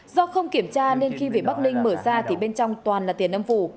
do không kiểm tra nên khi về bắc ninh mở ra thì bên trong toàn là tiền âm phủ